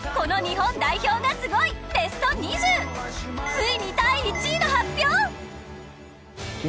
ついに第１位の発表！